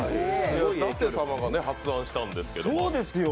舘様が発案したんですけどね。